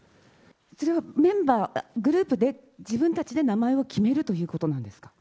それはメンバー、グループで、自分たちで名前を決めるということなんですか。